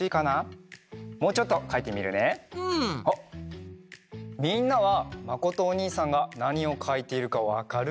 おっみんなはまことおにいさんがなにをかいているかわかるかな？